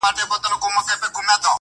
سیاه پوسي ده، ژوند تفسیرېږي.